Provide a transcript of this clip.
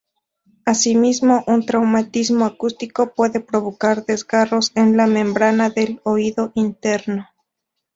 Asimismo, un traumatismo acústico puede provocar desgarros en la membrana del oído interno.